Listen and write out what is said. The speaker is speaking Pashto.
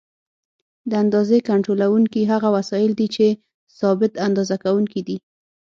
د اندازې کنټرولوونکي هغه وسایل دي چې ثابت اندازه کوونکي دي.